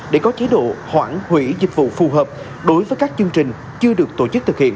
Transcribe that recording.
để có chế độ hoãn hủy dịch vụ phù hợp đối với các chương trình chưa được tổ chức thực hiện